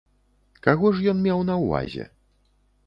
Каго ж ён меў на ўвазе?